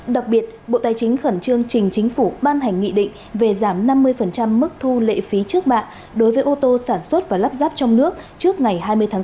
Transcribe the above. đặc biệt bộ tài chính khẩn trương trình chính phủ ban hành nghị định về giảm năm mươi mức thu lệ phí trước mạng đối với ô tô sản xuất và lắp ráp trong nước trước ngày hai mươi tháng sáu